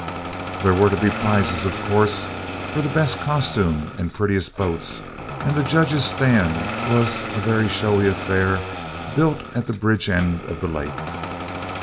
There were to be prizes, of course, for the best costumes and prettiest boats, and the judges' stand was a very showy affair, built at the bridge end of the lake.